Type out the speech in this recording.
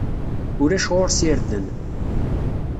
Ulac ɣur-s irden.